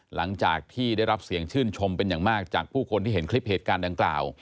หลังจากที่ได้รับเสียงชื่นชมเป็นอย่างมากจากผู้คนที่เห็นคลิปเหตุการณ์ดังกล่าว